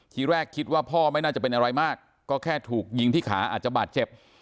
ทีแรกคิดว่าพ่อไม่น่าจะเป็นอะไรมากก็แค่ถูกยิงที่ขาอาจจะบาดเจ็บ